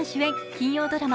金曜ドラマ